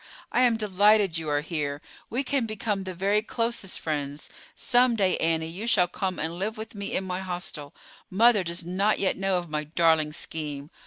I am delighted you are here. We can become the very closest friends. Some day, Annie, you shall come and live with me in my hostel. Mother does not yet know of my darling scheme.